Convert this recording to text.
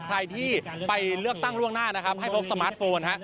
ใครที่ไปเลือกตั้งล่วงหน้านะครับให้พกสมาร์ทโฟนฮะ